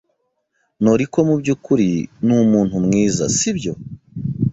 Noriko mubyukuri numuntu mwiza, sibyo?